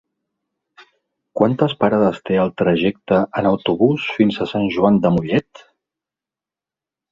Quantes parades té el trajecte en autobús fins a Sant Joan de Mollet?